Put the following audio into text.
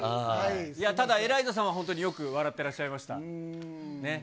ただ、エライザさんは本当によく笑ってらっしゃいました。